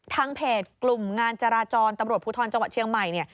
ทางเพจกลุ่มงานจราจรตำรวจภูทรจังหวัดเชียงใหม่เนี่ย